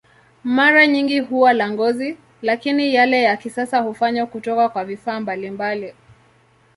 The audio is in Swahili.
Mara nyingi huwa la ngozi, lakini yale ya kisasa hufanywa kutoka kwa vifaa mbalimbali.